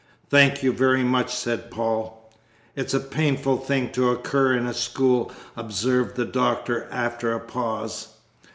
"Thank you very much," said Paul. "It's a painful thing to occur in a school," observed the Doctor after a pause.